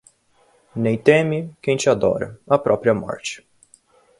Nem teme, quem te adora, à própria morte